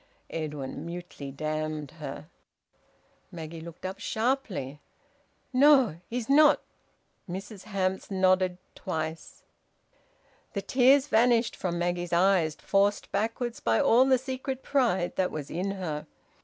Edwin mutely damned her. Maggie looked up sharply. "No! ... He's not " Mrs Hamps nodded twice. The tears vanished from Maggie's eyes, forced backwards by all the secret pride that was in her.